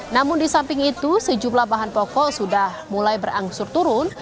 namun di samping itu sejumlah bahan pokok sudah mulai berangsur turun